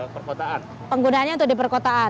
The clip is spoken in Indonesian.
perkotaan penggunaannya untuk di perkotaan